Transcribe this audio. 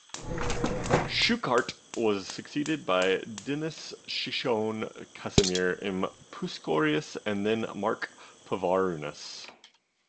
Schuckardt was succeeded by Denis Chicoine Casimir M. Puskorius and then Mark Pivarunas.